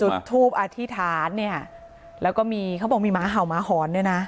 จุดทูปอธิษฐานเนี่ยแล้วก็มีเขาบอกมีหมาเห่าหมาหอนเนี่ยนะ